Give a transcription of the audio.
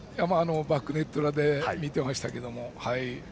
バックネット裏で見ていましたけど。